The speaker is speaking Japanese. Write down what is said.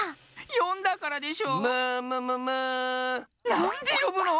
なんでよぶの！